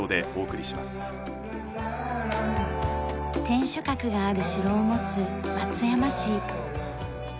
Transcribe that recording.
天守閣がある城を持つ松山市。